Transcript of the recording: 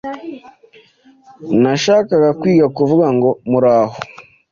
Nashakaga kwiga kuvuga ngo muraho.